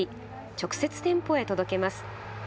直接、店舗へ届けます。